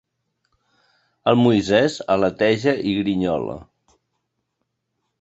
El Moisès aleteja i grinyola.